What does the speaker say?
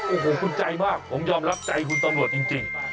โอ้โหคุณใจมากผมยอมรับใจคุณตำรวจจริง